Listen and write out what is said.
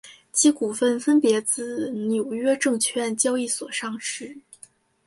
其股份分别自纽约证券交易所上市。